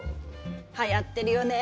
はやってるよね